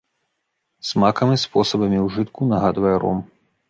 Смакам і спосабамі ўжытку нагадвае ром.